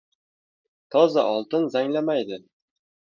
• Toza oltin zanglamaydi.